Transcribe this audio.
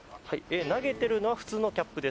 投げてるのは普通のキャップです。